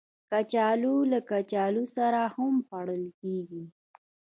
کچالو له کچالو سره هم خوړل کېږي